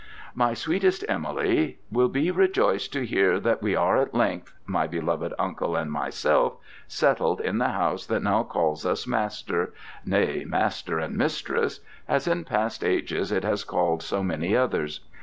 "My sweetest Emily will be rejoiced to hear that we are at length my beloved uncle and myself settled in the house that now calls us master nay, master and mistress as in past ages it has called so many others.